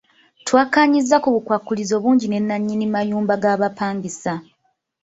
Twakkaanyizza ku bukwakkulizo bungi ne nannyini mayumba g'abapangisa.